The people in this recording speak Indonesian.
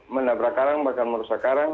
menabrak karang bahkan merusak karang